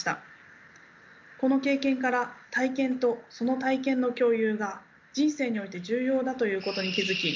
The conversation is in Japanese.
この経験から体験とその体験の共有が人生において重要だということに気付き